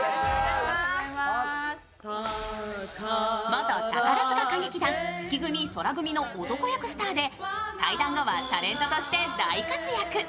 元宝塚歌劇団月組・宙組の男役スターで退団後はタレントとして大活躍